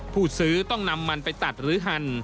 ผู้ซื้อต้องนำมันไปตัดหรือหั่น